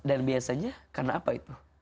dan biasanya karena apa itu